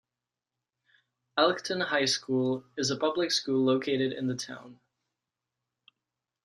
Elkton High School is a public school located in the town.